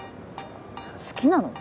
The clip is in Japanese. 好きなの？